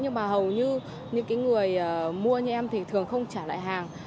nhưng mà hầu như những người mua như em thì thường không trả lại hàng